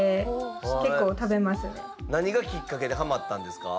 何がきっかけでハマったんですか？